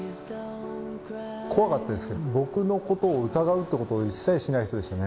怖かったですけど僕のことを疑うってことを一切しない人でしたね。